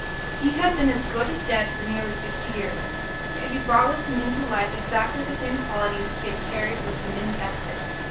He had been as good as dead for nearly fifty years, yet he brought with him into life exactly the same qualities he had carried with him in his exit.